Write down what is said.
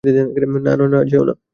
না, না, না, না, যেওনা!